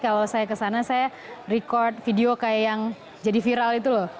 kalau saya kesana saya record video kayak yang jadi viral itu loh